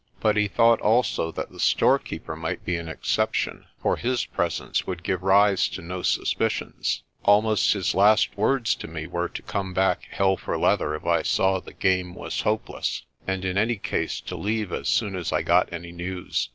But he thought also that the storekeeper might be an exception, for his presence would give rise to no suspicions. Almost his last words to me were to come back hell for leather if I saw the game was hopeless, and in any case to leave as soon as I got any news.